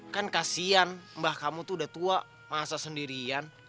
kan kasian mbah kamu tuh udah tua masa sendirian